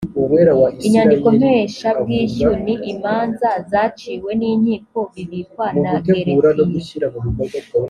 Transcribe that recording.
inyandikompeshabwishyu ni imanza zaciwe n inkiko bibikwa na gerefiye